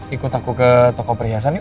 ikut aku ke toko perhiasan nih